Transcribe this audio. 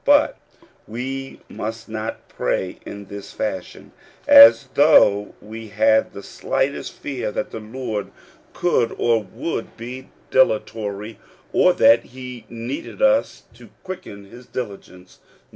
But we must not pray in this fashion, as though we had the slightest fear that the Lord could or would be dilatory, or that he needed us to quicken his diligence.